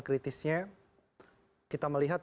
kritisnya kita melihat